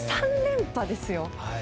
３連覇ですよ。